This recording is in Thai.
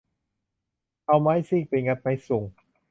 เอาไม้ซีกไปงัดไม้ซุง